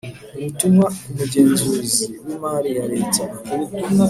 Ubutumwa kumugenzuzi wimari yareta